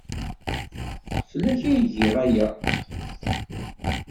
Fell-ak ay giɣ aya.